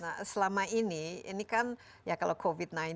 nah selama ini ini kan ya kalau covid sembilan belas